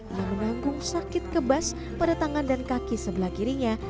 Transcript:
yang menanggung sakit kebas pada tangan dan kaki sebelah kirinya